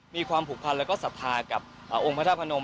มีความผูกพันธุ์แล้วก็ศัฒนากับองค์พระทัพพนม